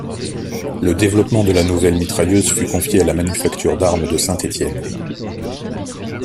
Le développement de la nouvelle mitrailleuse fut confié à la Manufacture d'armes de Saint-Étienne.